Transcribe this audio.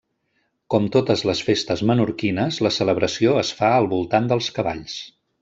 Com totes les festes menorquines, la celebració es fa al voltant dels cavalls.